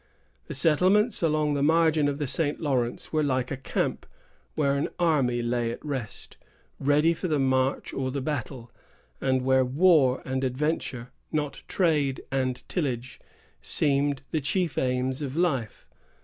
The settlements along the margin of the St. Lawrence were like a camp, where an army lay at rest, ready for the march or the battle, and where war and adventure, not trade and tillage, seemed the chief aims of life.